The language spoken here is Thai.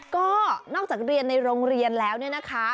ก็นอกจากเรียนในโรงเรียนแล้วเนี่ยนะคะ